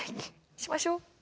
しましょう。